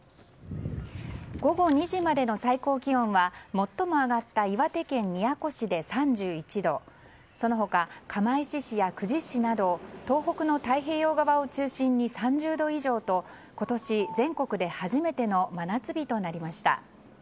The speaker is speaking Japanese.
午後２時までの最高気温は最も上がった岩手県宮古市で３１度その他、釜石市や久慈市など東北の太平洋側を中心に３０度以上と今年全国で初めての真夏日となりました。